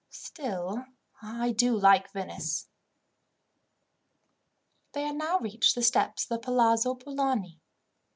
Still, I do like Venice." They had now reached the steps of the Palazzo Polani.